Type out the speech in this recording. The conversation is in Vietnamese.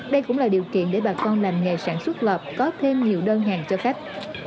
đây cũng là điều kiện để bà con làm nghề sản xuất lọt có thêm nhiều đơn hàng cho khách